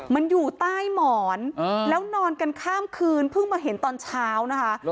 มันอยู่ใต้หมอนแล้วนอนกันข้ามคืนเพิ่งมาเห็นตอนเช้านะคะ